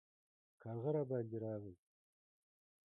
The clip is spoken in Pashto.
کارغه راباندې راغی